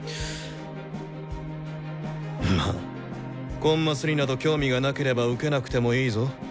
まあコンマスになど興味がなければ受けなくてもいいぞ。